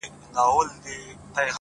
صبر د بریا د لارې رفیق دی.!